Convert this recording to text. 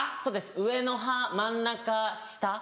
そうです上の歯真ん中下。